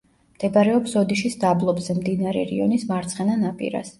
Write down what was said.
მდებარეობს ოდიშის დაბლობზე, მდინარე რიონის მარცხენა ნაპირას.